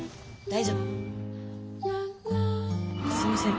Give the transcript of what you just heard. すいません